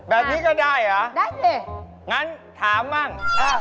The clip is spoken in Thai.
แบบนี้ก็ได้เหรองั้นถามมั่ง